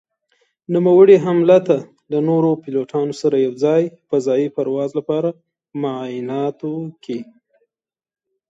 نوموړي هملته له نورو پيلوټانو سره يو ځاى فضايي پرواز لپاره په معايناتو کې